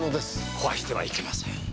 壊してはいけません。